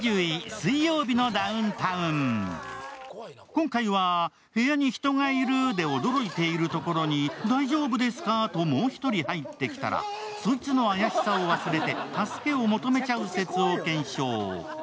今回は、「部屋に人がいる」で驚いているところに大丈夫ですか？ともう一人入ってきたら、そいつの怪しさを忘れて助けを求めちゃう説を検証。